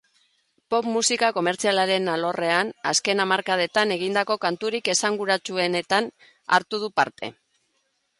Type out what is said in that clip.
Pop musika komertzialaren alorrean, azken hamarkadetan egindako kanturik esanguratsuenetan hartu du parte.